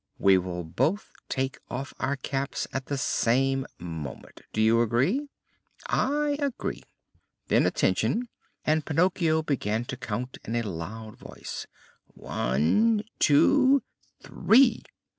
"We will both take off our caps at the same moment. Do you agree?" "I agree." "Then, attention!" And Pinocchio began to count in a loud voice: "One, two, three!"